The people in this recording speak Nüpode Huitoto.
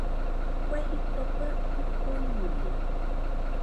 Kue jito, kue ɨko imɨe